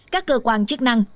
các cơ quan chức năng